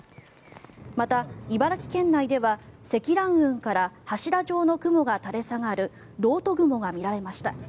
また、茨城県内では積乱雲から柱状の雲が垂れ下がる漏斗雲が見られました。